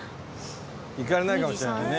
行かれないかもしれないね。